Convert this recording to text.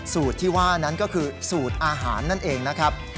สูตรที่ว่านั้นก็คือสูตรอาหารนั่นเองนะครับ